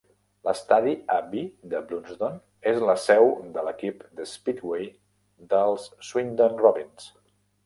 L'estadi Abbey de Blunsdon és la seu de l'equip de speedway dels Swindon Robins.